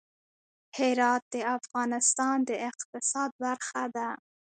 هرات د افغانستان د اقتصاد برخه ده.